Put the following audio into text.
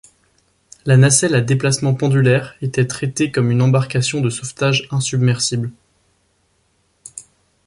La nacelle à déplacement pendulaire était traitée comme une embarcation de sauvetage insubmersible.